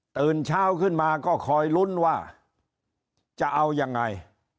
ตื่นเช้าขึ้นมาก็คอยลุ้นว่าจะเอายังไง